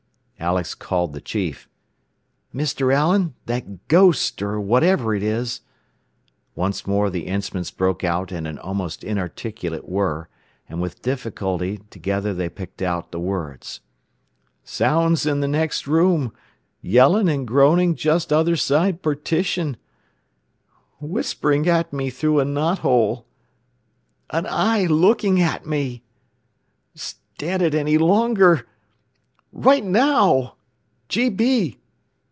Alex called the chief. "Mr. Allen, that 'ghost,' or whatever it is " Once more the instruments broke out in an almost inarticulate whirr, and with difficulty together they picked out the words: "... sounds in the next room ... yelling and groaning just other side partition ... whispering at me through a knot hole ... an eye looking at me ... stand it any longer ... right now!